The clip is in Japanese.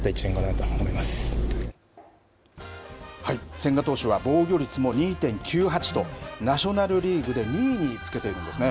千賀投手は防御率も２．９８とナショナルリーグで２位につけているんですね。